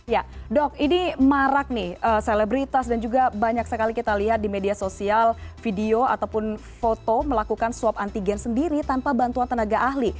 ya dok ini marak nih selebritas dan juga banyak sekali kita lihat di media sosial video ataupun foto melakukan swab antigen sendiri tanpa bantuan tenaga ahli